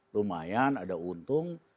lumayan ada untung